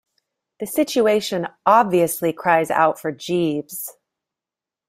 The situation obviously cries out for Jeeves.